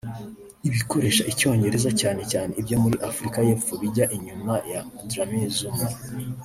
ibikoresha Icyongereza cyane cyane ibyo muri Afurika y’Amajyepfo bijya inyuma ya Dlamini-Zuma